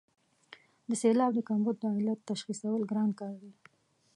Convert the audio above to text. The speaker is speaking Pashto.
د سېلاب د کمبود د علت تشخیصول ګران کار دی.